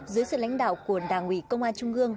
dưới sự lãnh đạo của đảng ủy công an trung ương